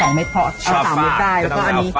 สองเม็ดเอาสามเม็ดได้